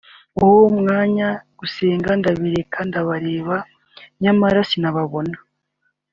uwo mwanya gusenga ndabireka ndabareba nyamara sinababona